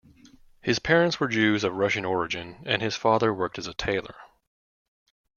His parents were Jews of Russian origin and his father worked as a tailor.